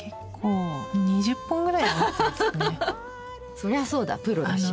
そりゃそうだプロだし。